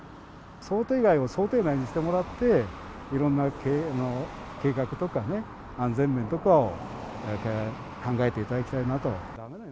想定外を想定内にしてもらって、いろんな計画とかね、安全面とかを考えていただきたいなと。